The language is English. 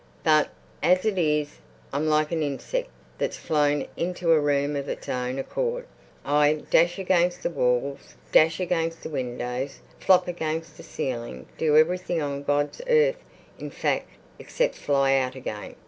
But as it is, I'm like an insect that's flown into a room of its own accord. I dash against the walls, dash against the windows, flop against the ceiling, do everything on God's earth, in fact, except fly out again.